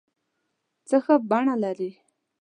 څه ښه بڼه لرې